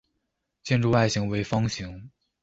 建筑外形为方形。